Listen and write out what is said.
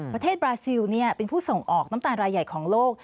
บราซิลเป็นผู้ส่งออกน้ำตาลรายใหญ่ของโลก